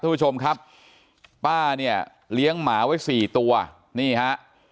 ผู้ชมครับป้าเนี่ยเลี้ยงหมาไว้สี่ตัวนี่ฮะ